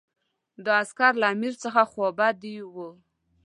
دا عسکر له امیر څخه خوابدي وو.